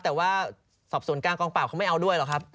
แต่ว่าสอบส่วนกลางกองปราบเขาไม่เอาด้วยหรอกครับ